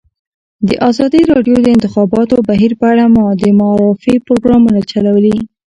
ازادي راډیو د د انتخاباتو بهیر په اړه د معارفې پروګرامونه چلولي.